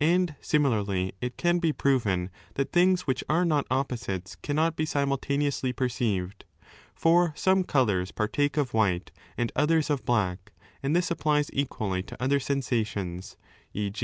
And similarly it can be proven that la things which are not opposites cannot he simultaneously for some colours partake of white and others of black and this applies equally to other sensatioDS, e.